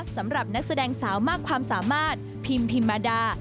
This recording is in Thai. สำหรับนักแสดงสาวมากความสามารถพิมพิมมาดา